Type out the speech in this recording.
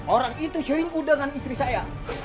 orang itu seringku dengan istri saya